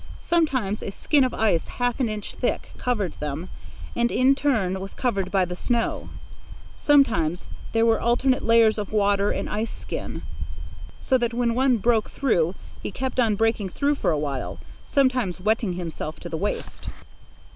Sometimes a skin of ice half an inch thick covered them, and in turn was covered by the snow. Sometimes there were alternate layers of water and ice skin, so that when one broke through he kept on breaking through for a while, sometimes wetting himself to the waist.